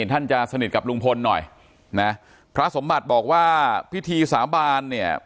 ท่านจะสนิทกับลุงพลหน่อยนะพระสมบัติบอกว่าพิธีสาบานเนี่ย